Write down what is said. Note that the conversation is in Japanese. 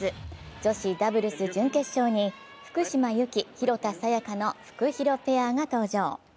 女子ダブルス準決勝に福島由紀・廣田彩花のフクヒロペアが登場。